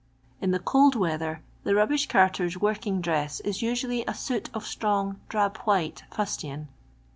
In the cold weather, the rubbish carter's work ing dress is usually a suit of strong drab white fustian.